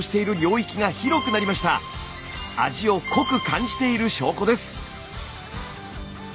味を濃く感じている証拠です。